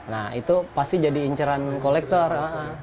nah itu pasti jadi inceran kolektor